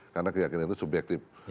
karena keyakinan itu subjektif